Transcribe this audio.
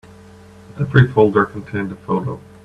Every folder contained a photo.